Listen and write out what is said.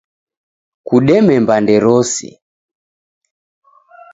kudeme mbande rose.